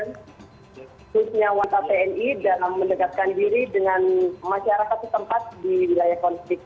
misinya wanita tni dalam mendekatkan diri dengan masyarakat di tempat di wilayah konflik